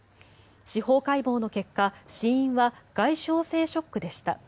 司法解剖の結果死因は外傷性ショックでした。